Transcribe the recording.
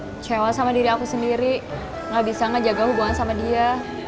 kecewa sama diri aku sendiri gak bisa ngejaga hubungan sama dia